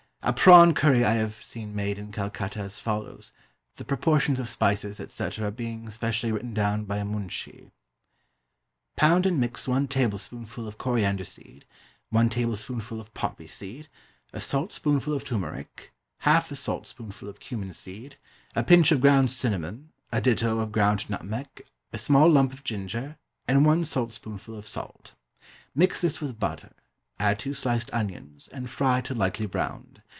A PRAWN CURRY I have seen made in Calcutta as follows, the proportions of spices, etc., being specially written down by a munshi: Pound and mix one tablespoonful of coriander seed, one tablespoonful of poppy seed, a salt spoonful of turmeric, half a salt spoonful of cumin seed, a pinch of ground cinnamon, a ditto of ground nutmeg, a small lump of ginger, and one salt spoonful of salt. Mix this with butter, add two sliced onions, and fry till lightly browned.